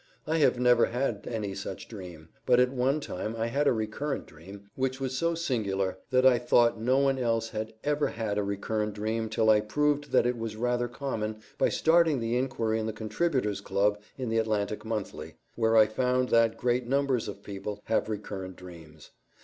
I have never had any such dream, but at one time I had a recurrent dream, which was so singular that I thought no one else had ever had a recurrent dream till I proved that it was rather common by starting the inquiry in the Contributors' Club in the Atlantic Monthly, when I found that great numbers of people have recurrent dreams.